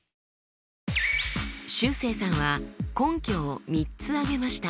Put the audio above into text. しゅうせいさんは根拠を３つ挙げました。